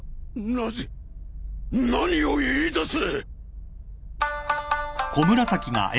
なぜ！？何を言いだす！？